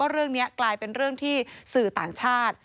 เรื่องนี้กลายเป็นเรื่องที่สื่อต่างชาติ